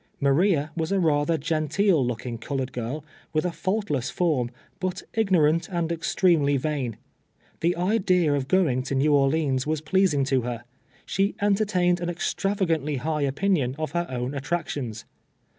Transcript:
Maria was a rather genteel looking colored girl, with a faultless form, but ignorant and extremely vain. Tlie idea of going to Xew Orleans was pleasing to her. She en tertained an extravagantly high opinion of her own attractions.